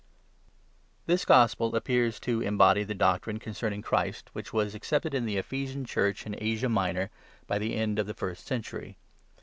THIS gospel appears to embody the doctrine concerning Christ which was accepted in the Ephesian Church in Asia Minor by the end of the First Century.